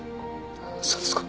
そうですか。